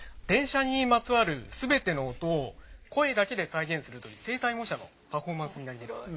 電車にまつわる全ての音を声だけで再現するという声帯模写のパフォーマンスになります。